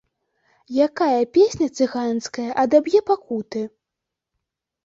Якая песня цыганская адаб'е пакуты?